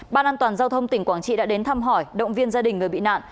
ban an toàn giao thông tỉnh quảng trị đã đến thăm hỏi động viên gia đình người bị nạn